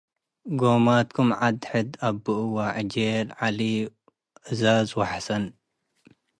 ጎማትኩም ዐድ ሕድ አብኡወ - ዕጄል ወዐሊ ወእዛዝ ወሐሰን